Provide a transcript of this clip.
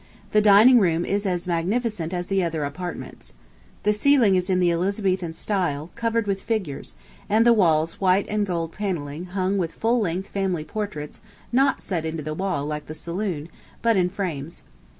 The dining room is as magnificent as the other apartments. The ceiling is in the Elizabethan style, covered with figures, and the walls white and gold panelling hung with full length family portraits not set into the wall like the saloon, but in frames.